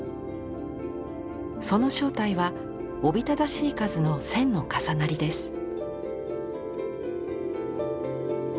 その正体はおびただしい数の線の重なりです。